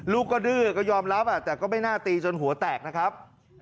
ลูกก็ดื้อก็ยอมรับแต่ก็ไม่น่าตีจนหัวแตกนะครับ